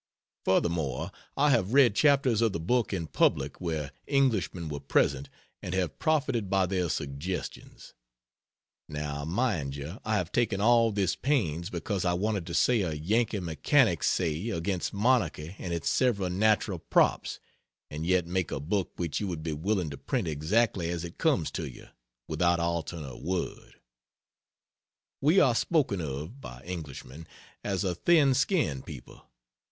Furthermore, I have read chapters of the book in public where Englishmen were present and have profited by their suggestions. Now, mind you, I have taken all this pains because I wanted to say a Yankee mechanic's say against monarchy and its several natural props, and yet make a book which you would be willing to print exactly as it comes to you, without altering a word. We are spoken of (by Englishmen) as a thin skinned people.